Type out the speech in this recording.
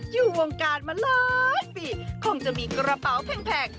อยู่วงการมาล้านปีคงจะมีกระเป๋าแผ่งปลอมแล้ว